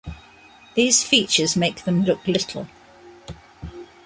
These features make them look little.